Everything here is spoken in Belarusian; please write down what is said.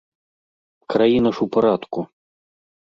Краіна ж у парадку.